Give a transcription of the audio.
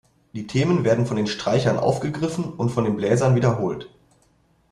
Die Themen werden von den Streichern aufgegriffen und von den Bläsern wiederholt.